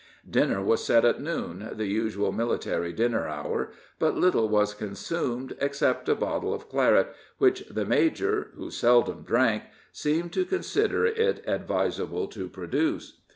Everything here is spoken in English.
Dinner was set at noon, the usual military dinner hour, but little was consumed, except a bottle of claret, which the major, who seldom drank, seemed to consider it advisable to produce.